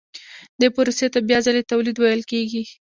دې پروسې ته بیا ځلي تولید ویل کېږي